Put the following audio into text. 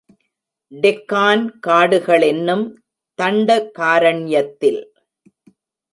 டெக்கான் காடுகளென்னும் தண்ட காரண்யத்தில்.